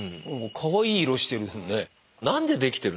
かわいい色してるのね。